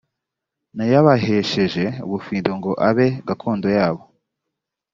nayabahesheje ubufindo ngo abe gakondo yabo.